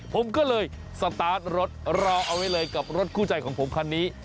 ผมก็เลยสตาร์ทรถรอเอาไว้เลยกับรถคู่ใจของผมคันนี้